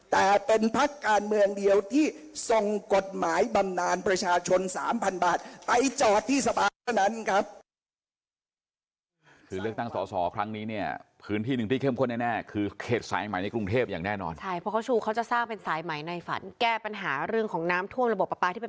แต่เป็นพักการเมืองเดียวที่ส่งกฎหมายบำนานประชาชน๓๐๐๐บาทไปจอดที่สภาเท่านั้นครับ